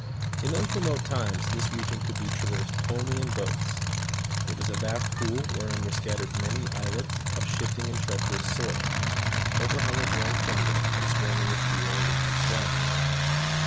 In those remote times this region could be traversed only in boats. It was a vast pool, wherein were scattered many islets of shifting and treacherous soil, overhung with rank jungle, and swarming with deer and wild swine.